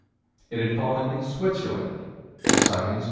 It had fallen in Switzerland (_Symons' Met.